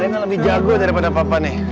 rena lebih jago daripada papa nih